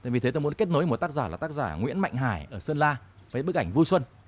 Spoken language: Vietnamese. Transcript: vì thế tôi muốn kết nối một tác giả là tác giả nguyễn mạnh hải ở sơn la với bức ảnh vui xuân